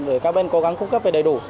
để các bên cố gắng cung cấp về đầy đủ